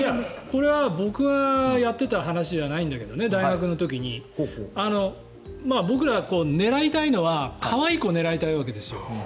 これは僕がやっていた話じゃないんだけどね大学の時に僕ら、狙いたいのは可愛い子を狙いたいわけですよ。